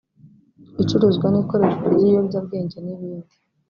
icuruzwa n’ikoreshwa ry’ibiyobyabwenge n’ibindi